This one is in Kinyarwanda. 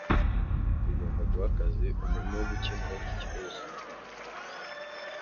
Tugomba guha akazi umuntu wo gukemura iki kibazo.